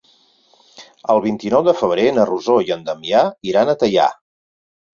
El vint-i-nou de febrer na Rosó i en Damià iran a Teià.